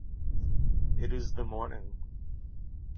It is the morning.